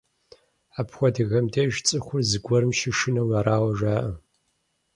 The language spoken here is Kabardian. Апхуэдэхэм деж цӀыхур зыгуэрым щышынэу арауэ жаӀэ.